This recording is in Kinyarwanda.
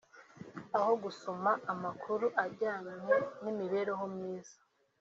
aho gusoma amakuru ajyanye n’imibereho myiza